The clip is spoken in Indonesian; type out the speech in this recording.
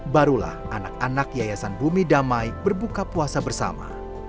barulah anak anak yayasan bumi damai berbuka puasa bersama